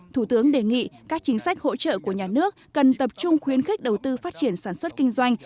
thủ tướng đề nghị các chính sách hỗ trợ của nhà nước cần tập trung khuyến khích đầu tư phát triển sản xuất kinh doanh